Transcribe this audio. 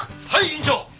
院長。